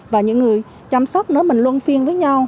và những người chăm sóc nếu mình luôn phiên với nhau